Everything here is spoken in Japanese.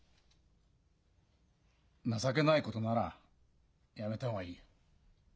情けないことならやめた方がいいよ。